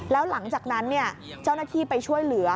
แล้วหลังจากนั้นเจ้าหน้าที่ไปช่วยเหลือ